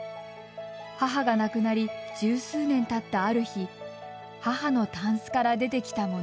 母が亡くなり十数年たった、ある日母のたんすから出てきたもの。